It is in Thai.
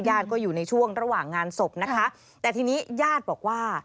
ก็อยู่ในช่วงระหว่างงานศพนะคะแต่ทีนี้ญาติบอกว่า